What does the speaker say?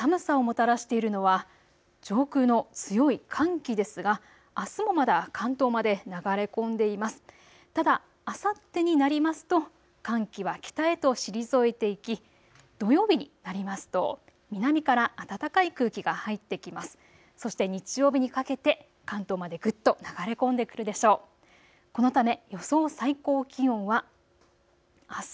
ただあさってになりますと寒気は北へと退いていき土曜日になりますと南から暖かい空気が入ってきます。